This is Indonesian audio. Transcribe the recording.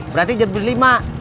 berarti jad beli lima